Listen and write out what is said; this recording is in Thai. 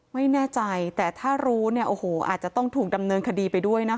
ไม่แน่ใจแต่ถ้ารู้เนี่ยโอ้โหอาจจะต้องถูกดำเนินคดีไปด้วยนะคะ